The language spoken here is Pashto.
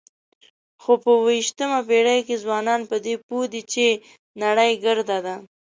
خو په یوویشتمه پېړۍ کې ځوانان په دې پوه دي چې نړۍ ګرده ده.